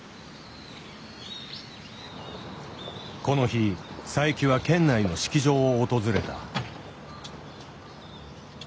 この日佐伯は県内の式場を訪れた。